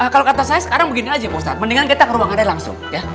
kalau kata saya sekarang begini aja pak ustadz mendingan kita ke ruangan aja langsung ya